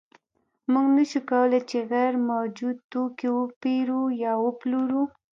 موږ نشو کولی چې غیر موجود توکی وپېرو یا وپلورو